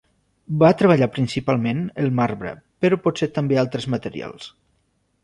Va treballar principalment el marbre, però potser també altres materials.